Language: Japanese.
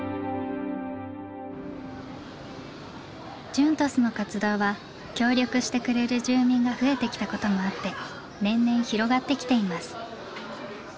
ＪＵＮＴＯＳの活動は協力してくれる住民が増えてきたこともあって年々広がってきています。